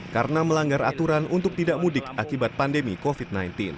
karena melanggar aturan untuk tidak mudik akibat pandemi covid sembilan belas